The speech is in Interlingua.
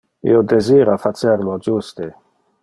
Io desira facer lo juste.